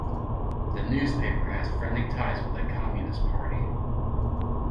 The newspaper has friendly ties with the Communist Party.